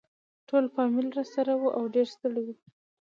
ټول فامیل راسره وو او ډېر ستړي وو.